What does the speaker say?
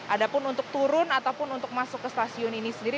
ada pun untuk turun ataupun untuk masuk ke stasiun ini sendiri